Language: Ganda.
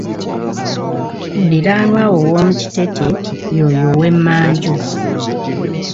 Muliranwawo owomukitete ye oyo ow'emmanju.